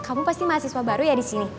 kamu pasti mahasiswa baru ya disini